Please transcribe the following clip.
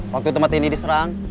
waktu tempat ini diserang